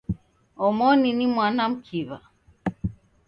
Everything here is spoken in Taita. Omoni ni mwana mkiw'a.